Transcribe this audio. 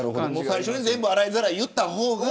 最初に洗いざらい言った方が。